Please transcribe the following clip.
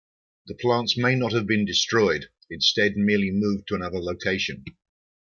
The plants may not have been destroyed, instead merely moved to another location.